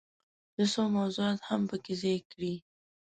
چې څو موضوعات هم پکې ځای کړي.